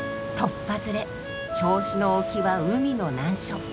っぱずれ銚子の沖は海の難所。